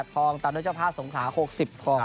ทองตามด้วยเจ้าภาพสงขา๖๐ทอง